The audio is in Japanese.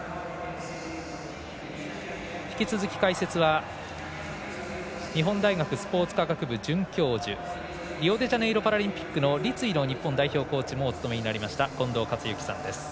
引き続き解説は日本大学スポーツ科学部准教授リオデジャネイロパラリンピックの立位の日本代表コーチもお務めになりました近藤克之さんです。